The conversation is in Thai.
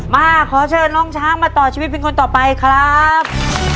มาขอเชิญน้องช้างมาต่อชีวิตเป็นคนต่อไปครับ